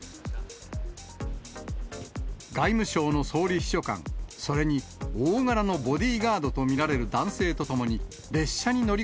外務省の総理秘書官、それに大柄のボディーガードと見られる男性と共に、列車に乗り